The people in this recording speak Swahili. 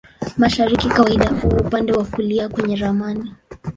Mashariki kawaida huwa upande wa kulia kwenye ramani.